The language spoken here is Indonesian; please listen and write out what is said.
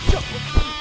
ya udah bang